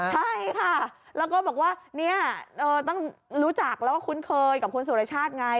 ใช่ค่ะแล้วก็บอกว่าเนี่ยต้องรู้จักแล้วก็คุ้นเคยกับคุณสุรชาติไง